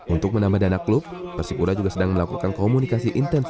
untuk menambah dana klub persipura juga sedang melakukan komunikasi intensif